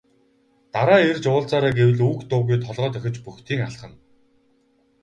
Дараа ирж уулзаарай гэвэл үг дуугүй толгой дохиж бөгтийн алхана.